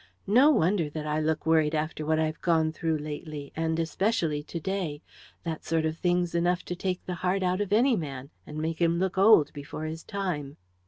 "No wonder that I look worried after what I've gone through lately, and especially to day that sort of thing's enough to take the heart out of any man, and make him look old before his time."